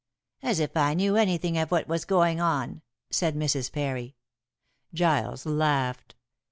"As if I knew anything of what was going on," said Mrs. Parry. Giles laughed.